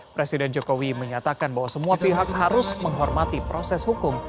presiden jokowi menyatakan bahwa semua pihak harus menghormati proses hukum